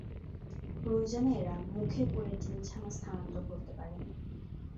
প্রয়োজনে এরা মুখে পুরে ডিম-ছানা স্থানান্তর করতে পারে।